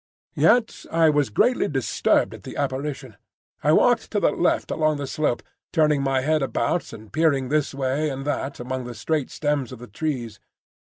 Yet I was greatly disturbed at the apparition. I walked to the left along the slope, turning my head about and peering this way and that among the straight stems of the trees.